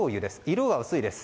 色は薄いです。